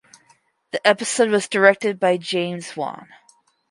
The episode was directed by James Wan.